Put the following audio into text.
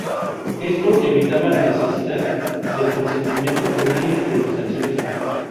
Esto evitaba la necesidad del consentimiento unánime de los accionistas.